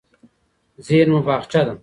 ذهن مو باغچه ده.